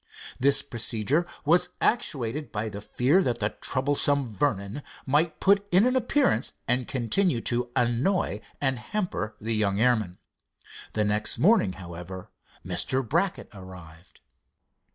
This procedure was actuated by the fear that the troublesome Vernon might put in an appearance and continue to annoy and hamper the young airman. The next morning, however, Mr. Brackett arrived.